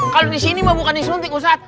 kalo disini mah bukan disuntik ustadz